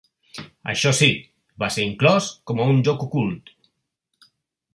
Això sí, va ser inclòs com a un joc ocult.